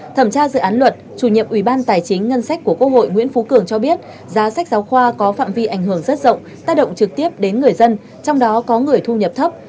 thẩm tra dự án luật chủ nhiệm ủy ban tài chính ngân sách của quốc hội nguyễn phú cường cho biết giá sách giáo khoa có phạm vi ảnh hưởng rất rộng tác động trực tiếp đến người dân trong đó có người thu nhập thấp